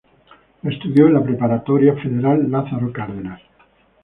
Estudió en la Preparatoria Federal Lázaro Cárdenas.